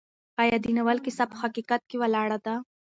ایا د ناول کیسه په حقیقت ولاړه ده؟